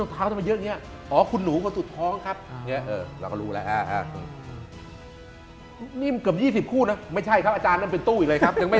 ตั้งแต่ต้องถามว่าบ้านที่ที่เยอะอย่างนี้